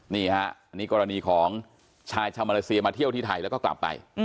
นี่ฮะกรณีใบของชายชามารนสีมาเที่ยวที่ไทยแล้วก็กลับไป